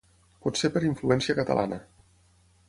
Potser per influència catalana.